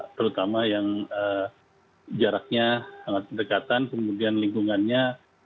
itu akan bertahan di udara di sekitarnya